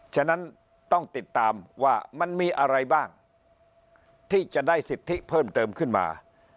ฉะนั้นต้องติดตามว่ามันมีอะไรบ้างที่จะได้สิทธิเพิ่มเติมขึ้นมา